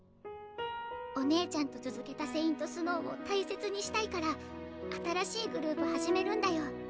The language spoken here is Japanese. お姉ちゃんと続けたＳａｉｎｔＳｎｏｗを大切にしたいから新しいグループ始めるんだよ。